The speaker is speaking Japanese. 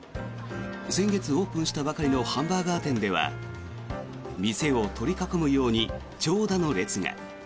先月オープンしたばかりのハンバーガー店では店を取り囲むように長蛇の列が。